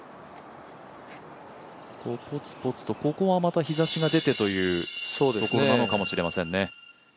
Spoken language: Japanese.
ポツポツと、ここは日ざしが出てというところなのかもしれません。